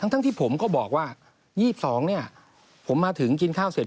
ทั้งที่ผมก็บอกว่า๒๒เนี่ยผมมาถึงกินข้าวเสร็จ